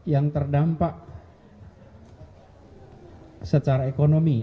yang terdampak secara ekonomi